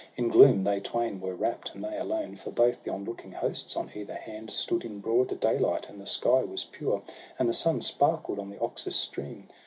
In gloom they twain were wrapp'd, and they alone ; For both the on looking hosts on either hand Stood in broad daylight, and the sky was pure, And the sun sparkled on the Oxus stream.